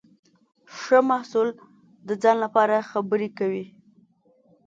ښه محصول د ځان لپاره خبرې کوي.